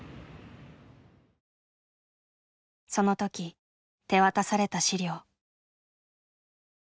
その時手渡された資料。